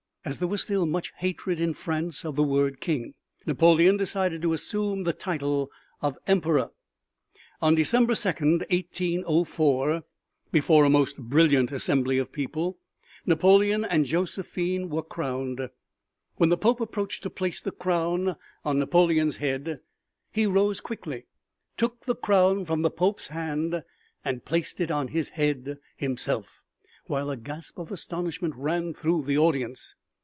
As there was still much hatred in France of the word King, Napoleon decided to assume the title of Emperor. On December 2, 1804, before a most brilliant assembly of people, Napoleon and Josephine were crowned. When the Pope approached to place the crown on Napoleon's head he rose quickly, took the crown from the Pope's hand and placed it on his head himself, while a gasp of astonishment ran through the audience.